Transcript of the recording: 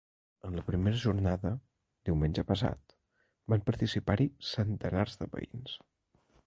En la primera jornada, diumenge passat, van participar-hi centenars de veïns.